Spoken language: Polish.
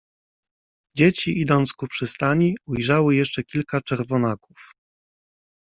Dzieci idąc ku przystani ujrzały jeszcze kilka czerwonaków.